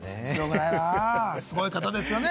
すごい方ですよね。